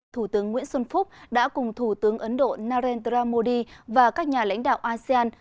thủ tướng nguyễn xuân phúc đã cùng thủ tướng ấn độ narendra modi và các nhà lãnh đạo asean